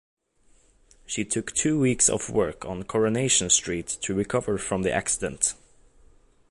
She took two weeks off work on "Coronation Street" to recover from the accident.